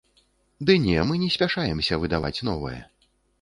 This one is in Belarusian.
Ды не, мы не спяшаемся выдаваць новае.